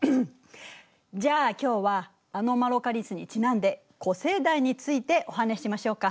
じゃあ今日はアノマロカリスにちなんで古生代についてお話ししましょうか。